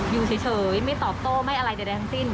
อยู่เฉยไม่ตอบโต้ไม่อะไรใดทั้งสิ้น